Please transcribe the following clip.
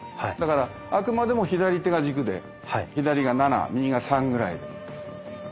だからあくまでも左手が軸で左が７右が３ぐらいで。